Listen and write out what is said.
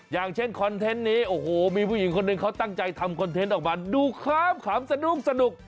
อย่างเช่นคอนเทนต์นี้โอ้โหมีผู้หญิงคนหนึ่งเขาตั้งใจทำคอนเทนต์ออกมาดูขามสนุก